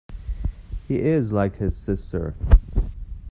He is like his sister.